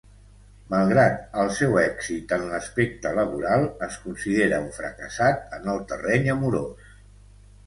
Malgrat el seu èxit en l'aspecte laboral, es considera un fracassat en el terreny amorós.